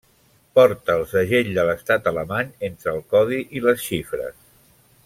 Porta el segell de l'estat alemany entre el codi i les xifres.